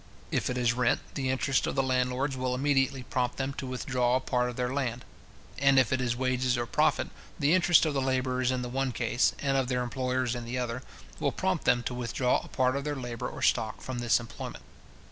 If it is rent, the interest of the landlords will immediately prompt them to withdraw a part of their land; and if it is wages or profit, the interest of the labourers in the one case, and of their employers in the other, will prompt them to withdraw a part of their labour or stock, from this employment.